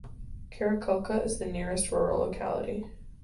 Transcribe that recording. Karakulka is the nearest rural locality.